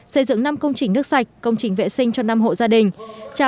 xây dựng năm công trình nước sạch công trình vệ sinh cho năm hộ gia đình